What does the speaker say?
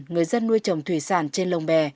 người dân nuôi trồng thủy sản trên lồng bè